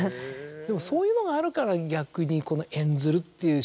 でもそういうのがあるから逆にこの。